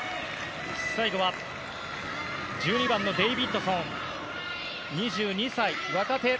最後は１２番のデイビッドソン、２２歳、若手。